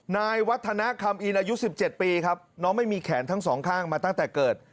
นายวัฒนาคำอินอายุ๑๗ปีครับน้องไม่มีแขนทั้งสองข้างมาตั้งแต่เกิด